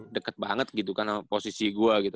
deket banget gitu kan posisi gua gitu